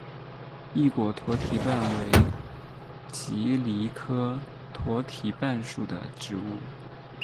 翼果驼蹄瓣为蒺藜科驼蹄瓣属的植物。